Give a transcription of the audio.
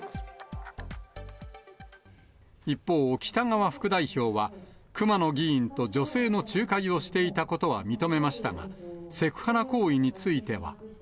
一方、北側副代表は熊野議員と女性の仲介をしていたことは認めましたが、セクハラ行為については。